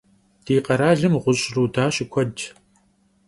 Di kheralım ğuş' ruda şıkuedş.